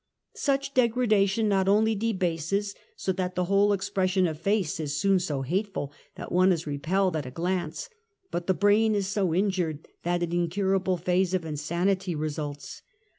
SOCIAL EVIL. IIT Such degradation not only debases so that the whole expression of face is soon so hateful that one is repelled at a glance, but the brain is so injured^ ^that an incurable phase of insanity results.